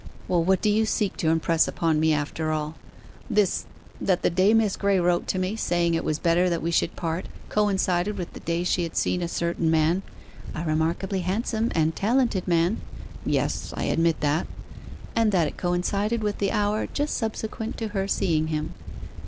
'Well, what do you seek to impress upon me after all? This that the day Miss Graye wrote to me, saying it was better that we should part, coincided with the day she had seen a certain man ' 'A remarkably handsome and talented man.' 'Yes, I admit that.' 'And that it coincided with the hour just subsequent to her seeing him.